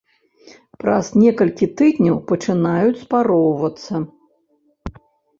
Праз некалькі тыдняў пачынаюць спароўвацца.